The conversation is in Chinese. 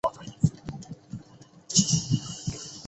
选择通过安心卖家认证的店家